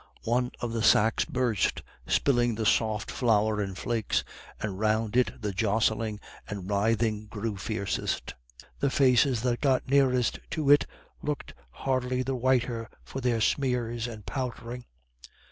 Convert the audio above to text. One of the sacks burst, spilling the soft flour in flakes, and round it the jostling and writhing grew fiercest. The faces that got nearest to it looked hardly the whiter for their smears and powdering.